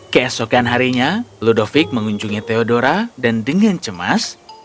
keesokan harinya ludovic mengunjungi theodora dan dengan cemas